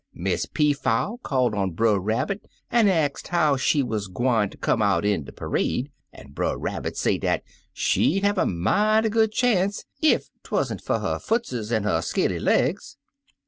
Miss Peafowl called on Brer Rabbit, an' axed how she wuz gwine ter come out in de parade, an' Brer Rabbit say dat she'd have a mighty good chance ef 'twan't fer her footses an' her scaly legs.